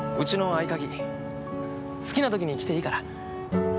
好きな時に来ていいから。